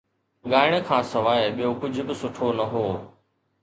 ڳائڻ کان سواءِ ٻيو ڪجهه به سٺو نه هو